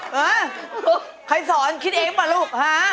ฮะใครสอนคิดเองป่ะลูกฮะ